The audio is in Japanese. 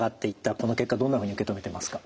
この結果どんなふうに受け止めてますか？